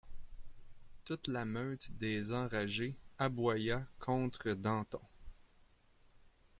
Toute la meute des enragés aboya contre Danton.